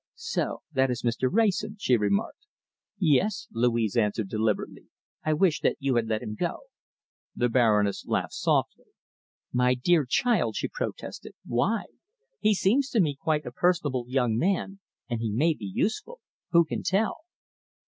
"So that is Mr. Wrayson," she remarked. "Yes!" Louise answered deliberately. "I wish that you had let him go!" The Baroness laughed softly. "My dear child," she protested, "why? He seems to me quite a personable young man, and he may be useful! Who can tell?"